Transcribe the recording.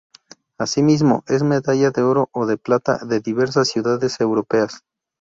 Asimismo, es medalla de oro o de plata de diversas ciudades europeas.